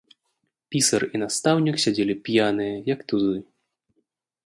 Пісар і настаўнік сядзелі п'яныя, як тузы.